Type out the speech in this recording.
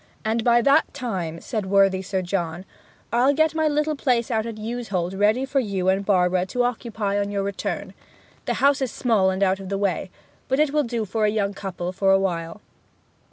'And by that time,' said worthy Sir John, 'I'll get my little place out at Yewsholt ready for you and Barbara to occupy on your return. The house is small and out of the way; but it will do for a young couple for a while.'